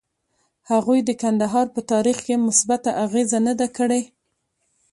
هغوی د کندهار په تاریخ کې مثبته اغیزه نه ده کړې.